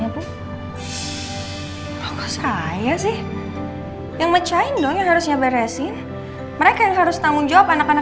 aku saya sih yang mecahin dong yang harusnya beresin mereka yang harus tanggung jawab anak anak